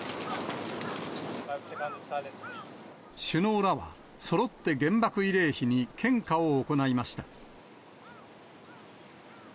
首脳らは、そろって原爆慰霊碑に献花を行いました。